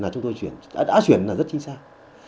chúng tôi đã chuyển là rất chính xác